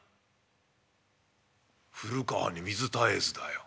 『古川に水絶えず』だよ。